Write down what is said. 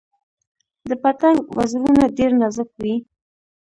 د پتنګ وزرونه ډیر نازک وي